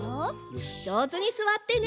じょうずにすわってね！